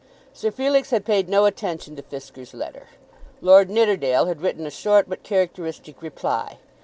Sir Felix had paid no attention to Fisker's letter. Lord Nidderdale had written a short but characteristic reply.